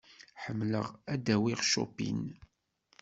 Ḥemmleɣ ad d-awiɣ Chopin.